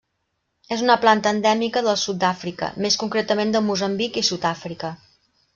És una planta endèmica del sud d'Àfrica, més concretament de Moçambic i Sud-àfrica.